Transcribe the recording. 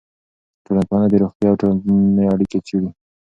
ټولنپوهنه د روغتیا او ټولنې اړیکه څېړي.